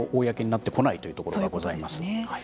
公になってこないというところがございます。